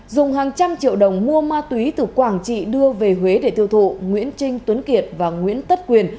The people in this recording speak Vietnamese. dùng hàng trăm triệu đồng mua ma túy từ quảng trị đưa về huế để tiêu thụ nguyễn trinh tuấn kiệt và nguyễn tất quyền